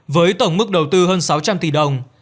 với tổng mức đầu tư hơn sáu trăm linh tỷ đồng